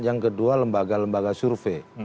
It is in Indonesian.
yang kedua lembaga lembaga survei